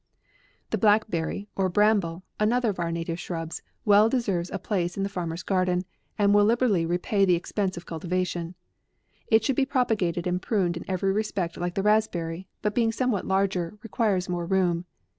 THE BLACKBERRY, or Bramble, another of our native shrubs, well deserves a place in the farmer's garden, and will liberally repay the expense of cultivation. It should be propagated and pruned in every respect like the raspberry, but being some what larger, requires more room.